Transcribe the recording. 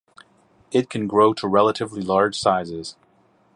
It can grow to relatively large sizes.